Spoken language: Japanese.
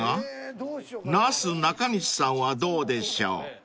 ［なすなかにしさんはどうでしょう？］